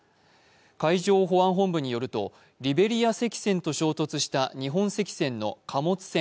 海上保安本部によると、リベリア船籍と衝突した日本船籍の貨物船